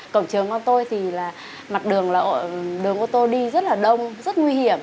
cổng trường con tôi thì mặt đường ô tô đi rất là đông rất nguy hiểm